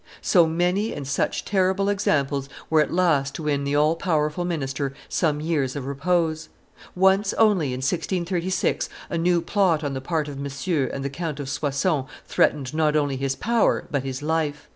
So many and such terrible examples were at last to win the all powerful minister some years of repose. Once only, in 1636, a new plot on the part of Monsieur and the Count of Soissons threatened not only his power, but his life.